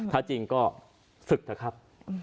ถ้าจริงก็ศึกเถอะครับ